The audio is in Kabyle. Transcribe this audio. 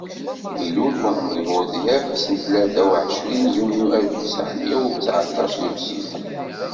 Ilul Muḥemmed budyaf ass n tlata u ɛecrin yunyu alef u ttɛemya u tteɛṭac di Msila.